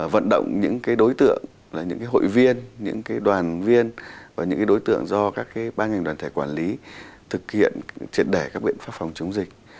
vận động những đối tượng là những hội viên những đoàn viên và những đối tượng do các ban ngành đoàn thể quản lý thực hiện triệt đẻ các biện pháp phòng chống dịch